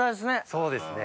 そうですね。